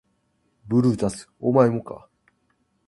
ブルータスお前もか